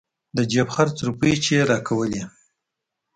د جيب خرڅ روپۍ چې يې راکولې.